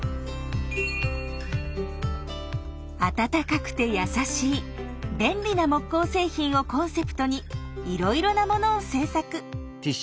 あたたかくてやさしい便利な木工製品をコンセプトにいろいろなものを製作。